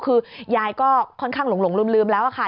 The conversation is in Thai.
คือยายก็ค่อนข้างหลงลืมแล้วค่ะ